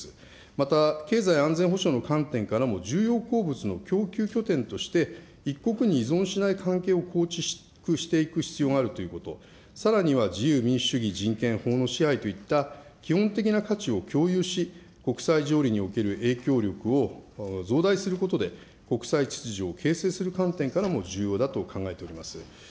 また、経済安全保障の観点からも重要鉱物の供給拠点として、一国に依存しない関係を構築していく必要があるということ、さらには自由、民主主義、人権、法の支配といった基本的な価値を共有し、国際条理における影響力を増大することで、国際秩序を形成する観点からも重要だと考えております。